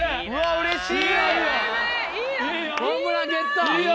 うれしい！